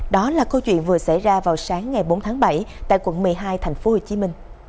đó là câu chuyện vừa xảy ra vào sáng ngày bốn tháng bảy tại quận một mươi hai tp hcm